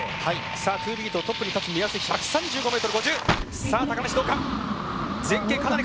トゥービートトップに立つ目安、１３５ｍ５０。